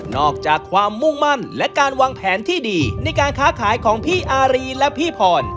อกจากความมุ่งมั่นและการวางแผนที่ดีในการค้าขายของพี่อารีและพี่พร